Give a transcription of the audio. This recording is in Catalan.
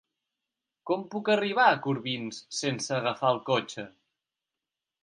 Com puc arribar a Corbins sense agafar el cotxe?